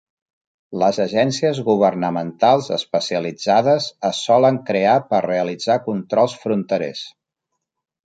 Les agències governamentals especialitzades es solen crear per realitzar controls fronterers.